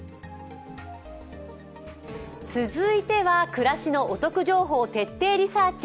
続いては暮らしのお得情報を徹底リサーチ